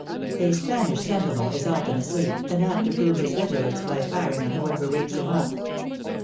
A Spanish sentinel is often asleep, and apt to prove his vigilance by firing on whoever wakes him up."